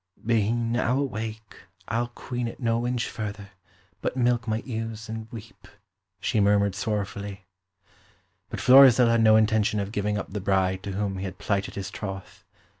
"Being now awake, I'll queen it no inch further, but milk my ewes and weep," she murmured sorrowfully. But Florizel had no intention of giving up the bride to whom he had plighted his troth.